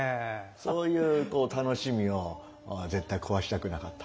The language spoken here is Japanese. そういうこう楽しみを絶対壊したくなかった。